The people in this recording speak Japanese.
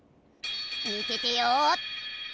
見ててよ！